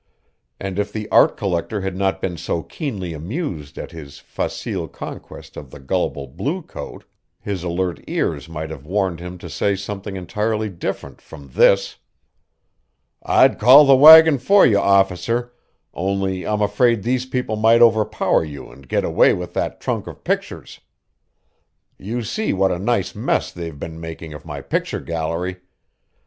And if the art collector had not been so keenly amused at his facile conquest of the gullible bluecoat his alert ears might have warned him to say something entirely different from this: "I'd call the wagon for you, officer, only I'm afraid these people might overpower you and get away with that trunk of pictures. You see what a nice mess they've been making of my picture gallery.